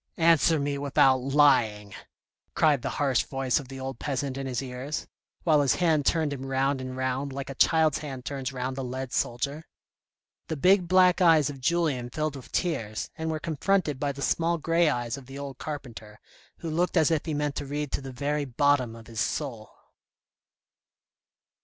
" Answer me without lying," cried the harsh voice of the old peasant in his ears, while his hand turned him round and round, like a child's hand turns round a lead soldier. The big black eyes of Julien filled with tears, and were confronted by the small grey eyes of the old carpenter, who looked as if he meant to read to the very bottom of his soul.